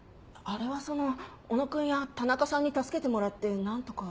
あれはその小野君や田中さんに助けてもらって何とか。